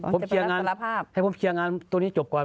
ผมเคียงงานให้ผมเคียงงานตัวนี้จบก่อน